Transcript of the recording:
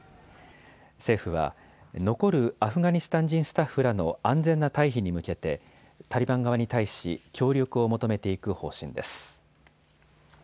政府は、残るアフガニスタン人スタッフらの安全な退避に向けてタリバン側に対し協力を求めていく方針です。